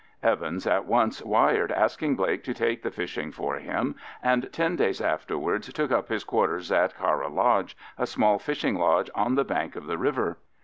Evans at once wired asking Blake to take the fishing for him, and ten days afterwards took up his quarters at Carra Lodge, a small fishing lodge on the bank of the river.